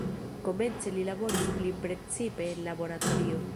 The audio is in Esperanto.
Komence li laboris pli precize en laboratorio.